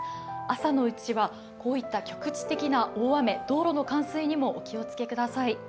朝のうちは、こういった局地的な大雨、道路の冠水にもお気をつけください。